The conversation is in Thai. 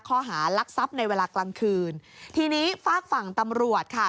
ข้อหารักทรัพย์ในเวลากลางคืนทีนี้ฝากฝั่งตำรวจค่ะ